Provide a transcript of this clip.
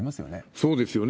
そうですよね。